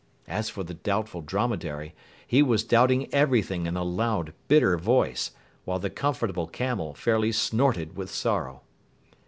As for the Doubtful Dromedary, he was doubting everything in a loud, bitter voice, while the Comfortable Camel fairly snorted with sorrow.